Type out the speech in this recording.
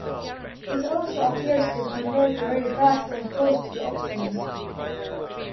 It also appears to converge very fast when close to the optimum.